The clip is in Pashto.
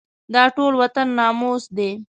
دا ټول وطن ناموس دی.